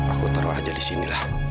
aku taruh saja di sini